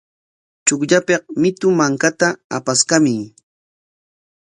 Chukllapik mitu mankata apaskamuy.